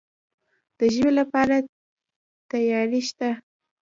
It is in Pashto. د ژمي لپاره تیاری شته؟